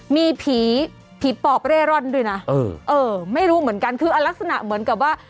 มีผีผีปอบเร่อร่อนไม่รู้เหมือนกันคือลักษณะเหมือนกับว่า